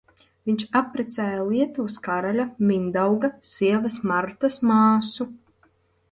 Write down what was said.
Viņš apprecēja Lietuvas karaļa Mindauga sievas Martas māsu.